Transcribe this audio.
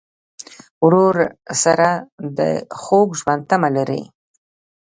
ورور سره د خوږ ژوند تمه لرې.